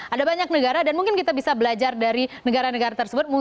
ada banyak negara dan mungkin kita bisa belajar dari negara negara tersebut